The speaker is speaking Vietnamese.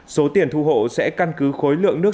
số tiền thu hộ sẽ căn cứ khối lượng nước